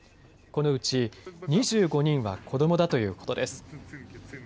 このうち２５人は子どもだということです。